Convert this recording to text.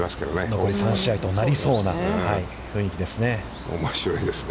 残り３試合となりそうな雰囲気ですね。